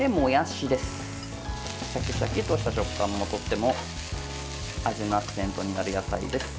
シャキシャキとした食感もとっても味のアクセントになる野菜です。